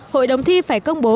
hội đồng thi phải công bố